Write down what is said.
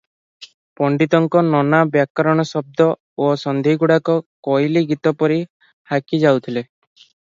ପଣ୍ତିତଙ୍କ ନନା ବ୍ୟାକରଣ ଶଦ୍ଦ ଓ ସନ୍ଧିଗୁଡ଼ାକ କୋଇଲି - ଗୀତ ପରି ହାକିଯାଉଥିଲେ ।